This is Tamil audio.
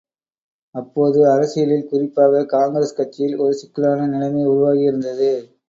அப்போது அரசியலில் குறிப்பாக, காங்கிரஸ் கட்சியில் ஒரு சிக்கலான நிலைமை உருவாகி இருந்தது.